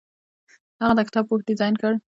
هغه د کتاب پوښ ډیزاین کړ.